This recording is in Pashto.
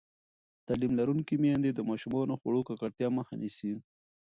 تعلیم لرونکې میندې د ماشومانو د خوړو ککړتیا مخه نیسي.